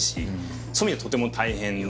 そういう意味でとても大変で。